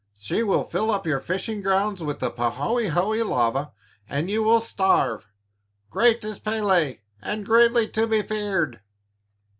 She will fill up your fishing grounds with the pahoehoe (lava), and you will starve. Great is Pélé and greatly to be feared."